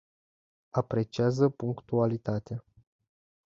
Apreciază punctualitatea.